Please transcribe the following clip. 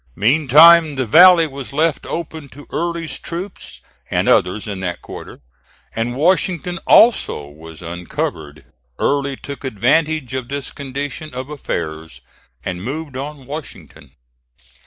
Meantime the valley was left open to Early's troops, and others in that quarter; and Washington also was uncovered. Early took advantage of this condition of affairs and moved on Washington.